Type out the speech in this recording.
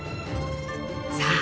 さあ